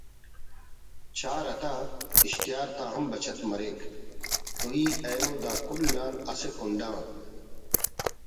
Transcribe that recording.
چارہ تا‘ اشتہار تا ہم بچت مریک“ تو ای اینو داکل آن اسہ کنڈ آ